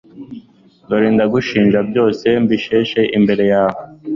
dore ndagushinja, byose mbisheshe imbere yawe